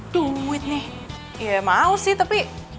duit nih ya mau sih tapi